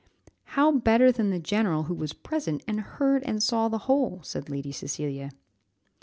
"How better than the general, who was present, and heard and saw the whole?" said Lady Cecilia.